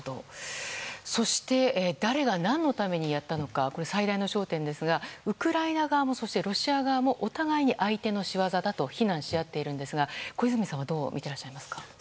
そして誰が何のためにやったのか最大の焦点ですがウクライナ側、ロシア側どちらもお互いに相手の仕業だと非難し合っているんですが小泉さんはどう見ていらっしゃいますか。